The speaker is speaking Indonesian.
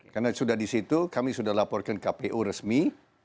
karena sudah disitu kami sudah laporkan kpu resmi